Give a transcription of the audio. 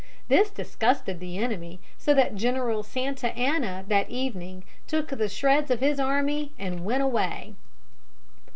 This disgusted the enemy so that General Santa Anna that evening took the shreds of his army and went away.